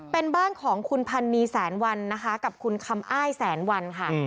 เป็นบ้านของคุณพันนีแสนวันนะคะกับคุณคำอ้ายแสนวันค่ะ